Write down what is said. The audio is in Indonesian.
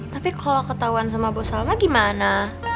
tapi kalau ketauan sama bos salma gimana